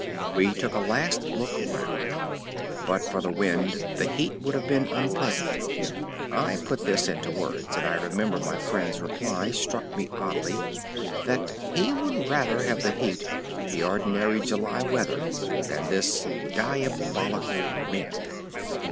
We took a last look round. But for the wind the heat would have been unpleasant. I put this thought into words, and I remember my friend's reply struck me oddly: that he would rather have the heat, the ordinary July weather, than this "diabolical wind."